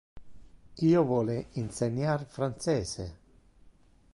Io vole inseniar francese.